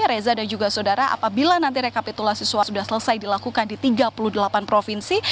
reza dan juga saudara apabila nanti rekapitulasi suara sudah selesai dilakukan di tiga puluh delapan provinsi